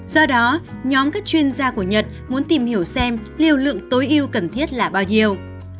do đó nhóm các chuyên gia của nhật muốn tìm hiểu xem liều lượng tối ưu cần thiết là bao nhiêu